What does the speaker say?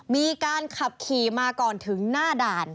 มีการขับขี่มาก่อนถึงหน้าด่าน